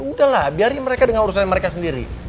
udah lah biarin mereka dengan urusan mereka sendiri